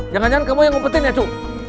jangan jangan kamu yang ngumpetin ya cuk